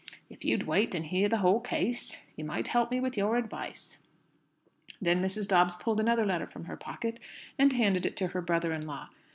If you'd wait and hear the whole case, you might help me with your advice." Then Mrs. Dobbs pulled another letter from her pocket, and handed it to her brother in law.